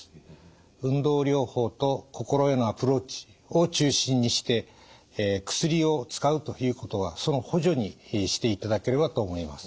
運動療法と心へのアプローチを中心にして薬を使うということはその補助にしていただければと思います。